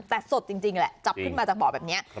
แต่สดจริงแหละจับขึ้นมาจากบ่อแบบนี้